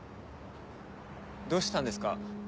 どうしたんですか？